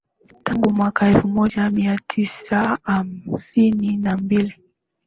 Tangu mwaka elfu moja mia tisa hamsini na mbili